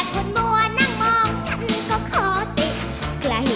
ขอบคุณค่ะตีมือ